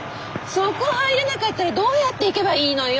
そこ入れなかったらどうやって行けばいいのよ？